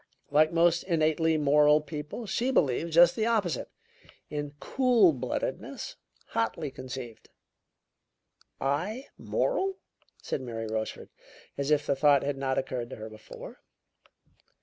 Like most innately moral people, she believes just the opposite in cool bloodedness, hotly conceived." "I moral?" said Mary Rochefort, as if the thought had not occurred to her before.